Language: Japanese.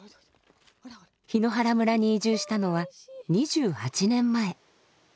檜原村に移住したのは２８年前。